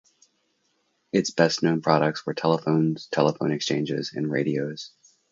Its best known products were telephones, telephone exchanges and radios.